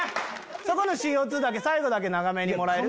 そこのＣＯ２だけ最後だけ長めにもらえる？